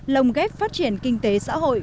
lồng ghép phát triển kinh tế xã hội